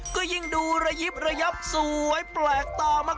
ก็ยิ่งดูระยิบระยับสวยแปลกตามากเลยล่ะครับ